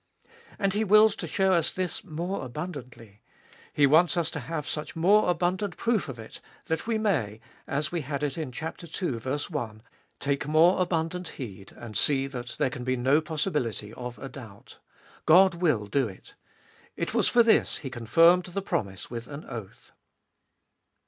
And He wills to show us this more abundantly. He wants us to have such more abundant proof of it, that we may, as we had it in chap. ii. i, take more abundant heed, and see that there can be no possibility of a doubt : God will do it. It was for this He confirmed the promise with an oath.